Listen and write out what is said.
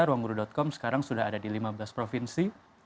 ruangguru com sekarang sudah ada di lima belas provinsi